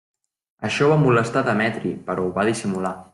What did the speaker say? Això va molestar Demetri però ho va dissimular.